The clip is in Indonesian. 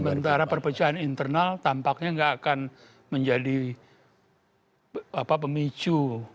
sementara perpercayaan internal tampaknya gak akan menjadi pemicu